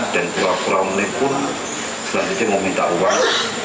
dan pelaku pelaku menelpon selanjutnya meminta uang